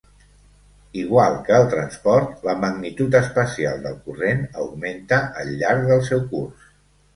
Igual que el transport, la magnitud espacial del corrent augmenta al llarg del seu curs.